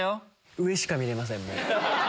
上しか見れませんもう。